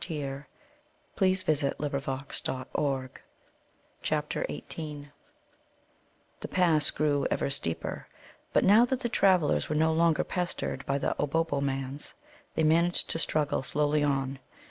CHAPTER XVIII The pass grew ever steeper, but now that the travellers were no longer pestered by the Obobbomans they managed to struggle slowly on.